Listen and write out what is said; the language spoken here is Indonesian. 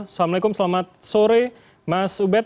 assalamualaikum selamat sore mas ubed